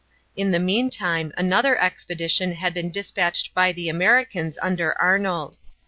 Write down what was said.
In the meantime another expedition had been dispatched by the Americans under Arnold.